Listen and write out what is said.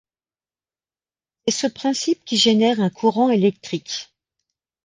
C’est ce principe qui génère un courant électrique.